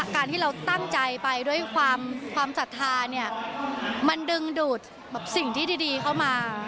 การที่เราตั้งใจไปด้วยความศรัทธาเนี่ยมันดึงดูดสิ่งที่ดีเข้ามา